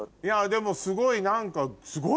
でもすごい何か。